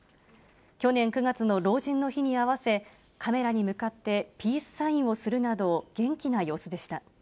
去年９月の老人の日に合わせ、カメラに向かってピースサインをするなど、元気な様子でした。